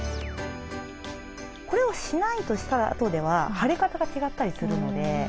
これをしないとしたあとでは腫れ方が違ったりするので。